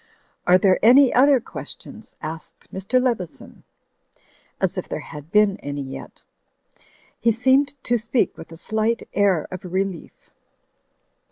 "Are there any other questions?" asked Mr. Leveson — as if there had been any yet. He seemed to speak with a slight air of relief.